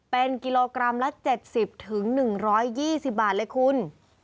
เป็นกิโลกรัมละ๗๐๑๒๐บาทเลยคุณ